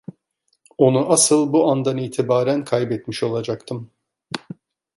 Onu asıl bu andan itibaren kaybetmiş olacaktım.